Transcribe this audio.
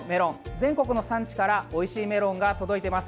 全国の産地からおいしいメロンが届いています。